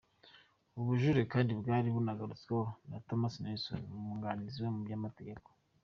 Ubu bujurire kandi bwari bwanagarutsweho na Tomas Nilsson, Umwunganizi we mu by’amategeko.